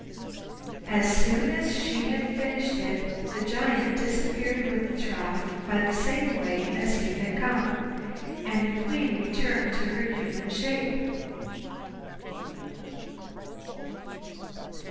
As soon as she had finished it the Giant disappeared with the trough by the same way as he had come, and the Queen returned to her human shape.